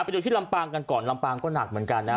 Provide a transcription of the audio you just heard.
ไปดูที่ลำปางกันก่อนลำปางก็หนักเหมือนกันนะ